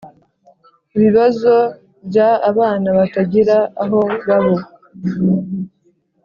ibibazo bya abana batagira aho babo